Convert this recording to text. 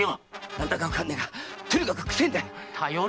何だかわかんないがとにかく臭えんだ！